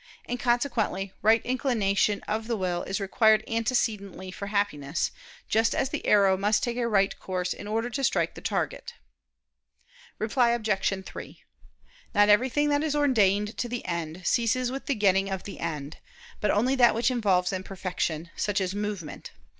And consequently right inclination of the will is required antecedently for happiness, just as the arrow must take a right course in order to strike the target. Reply Obj. 3: Not everything that is ordained to the end, ceases with the getting of the end: but only that which involves imperfection, such as movement.